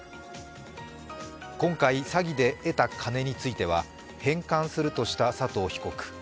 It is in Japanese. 今回、詐欺で得た金については返還するとした佐藤被告。